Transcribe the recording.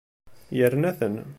Yerna-ten.